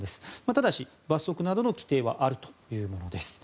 ただし、罰則などの規定はあるというものです。